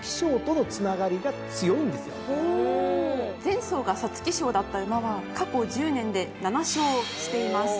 前走が皐月賞だった馬は過去１０年で７勝しています。